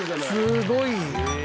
すごい。